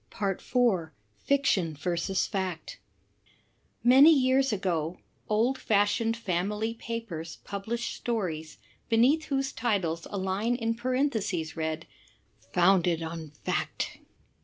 4, Fiction versus Fact Many years ago, old fashioned family papers published stories, beneath whose titles a line in parenthesis read, "Foimded on fact."